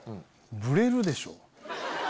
ブレるでしょ。